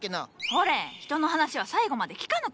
ほれ人の話は最後まで聞かぬか。